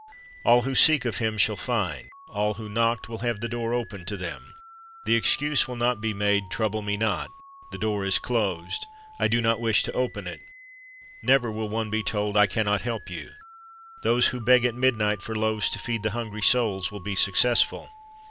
All who seek of Him shall find. All who knock will have the door opened to them. The excuse will not be made, Trouble Me not; the door is closed; I do not wish to open it. Never will one be told, I can not help you. Those who beg at midnight for loaves to feed the hungry souls will be successful.